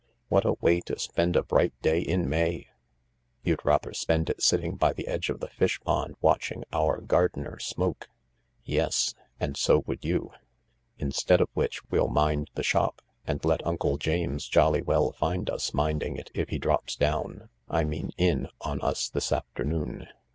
What a way to spend a bright day in May !"" You'd rather spend it sitting by the edge of the fish pond watching our gardener smoke." " Yes — and so would you 1 Instead of which we'll mind the shop— and let Uncle James jolly well find us minding it if he drops down — I mean in — on us this afternoon."